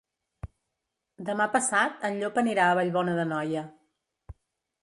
Demà passat en Llop anirà a Vallbona d'Anoia.